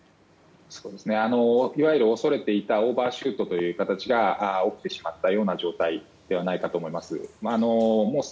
恐れていたオーバーシュートという形が起きてしまったような状態ではないかと思います。